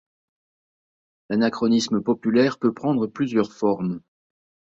L'anachronisme populaire peut prendre plusieurs formes.